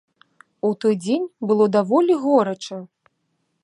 У той дзень было даволі горача.